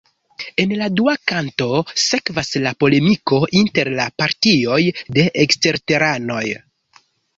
En la dua kanto sekvas la polemiko inter la partioj de eksterteranoj.